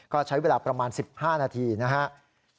ก็ใช้เวลาประมาณ๑๕นาทีนะครับ